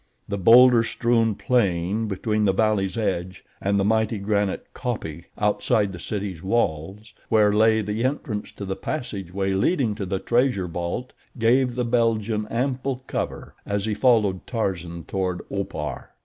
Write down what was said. The boulder strewn plain between the valley's edge and the mighty granite kopje, outside the city's walls, where lay the entrance to the passage way leading to the treasure vault, gave the Belgian ample cover as he followed Tarzan toward Opar.